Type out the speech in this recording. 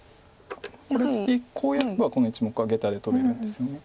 これ次こうやればこの１目はゲタで取れるんですよね。